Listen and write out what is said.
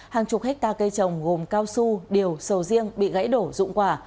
hàng chục hectare cây trồng gồm cao su điều sầu riêng bị gãy đổ dụng quả